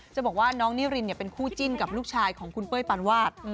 จะบอกว่าน้องนิรินเป็นคู่จิ้นกับลูกชายของคุณเป้ยปานวาด